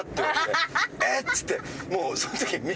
もうその時み